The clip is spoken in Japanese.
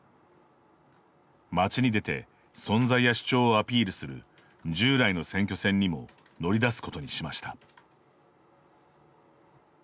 街に出て存在や主張をアピールする従来の選挙戦にも乗り出すことにしました。